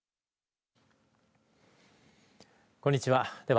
こんにちは。